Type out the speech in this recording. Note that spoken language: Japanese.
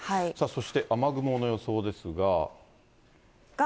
そして雨雲の予想ですが。